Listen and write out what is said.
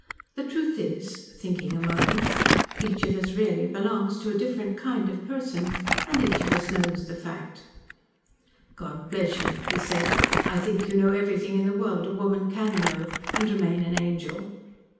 The truth is " thinking a moment, "each of us really belongs to a different kind of person. And each of knows the fact." "God bless you," he said. "I think you know everything in the world a woman can know and remain an angel."